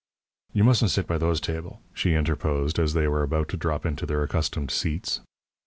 "You mustn't sit by those table," she interposed, as they were about to drop into their accustomed seats.